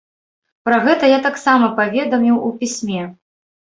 Пра гэта я таксама паведаміў у пісьме.